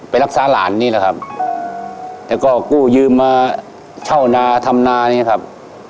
ไปรักษาหลานเนี่ยก็กู่ยืมมาเช่านาทำนาเนี่ยครับ